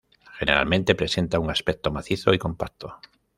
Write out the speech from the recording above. Generalmente presenta un aspecto macizo y compacto.